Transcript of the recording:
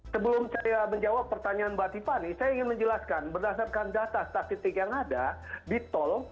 sebelum saya menjawab pertanyaan mbak tiffany saya ingin menjelaskan berdasarkan data statistik yang ada di tol